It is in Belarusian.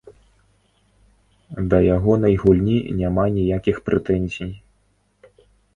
Да ягонай гульні няма ніякіх прэтэнзій.